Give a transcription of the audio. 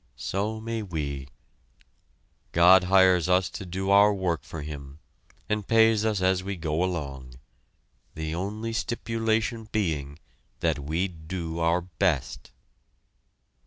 So may we. God hires us to do our work for Him, and pays us as we go along the only stipulation being that we do our best.